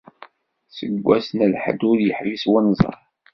Seg wass n lḥedd ur yeḥbis wenẓar.